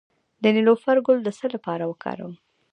د نیلوفر ګل د څه لپاره وکاروم؟